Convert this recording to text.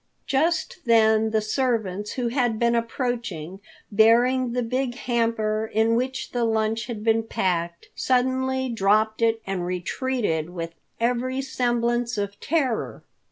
Just then the servants who had been approaching, bearing the big hamper in which the lunch had been packed, suddenly dropped it and retreated with every semblance of terror.